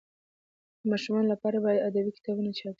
د ماشومانو لپاره باید ادبي کتابونه چاپ سي.